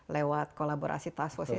lewat kolaborasi task force ini